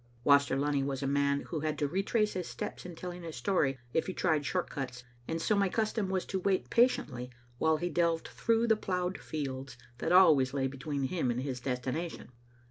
Waster Lunny was a man who had to retrace his steps in telling a story if he tried short cuts, and so my cus tom was to wait patiently while he delved through the ploughed fields that always lay between him and his destination.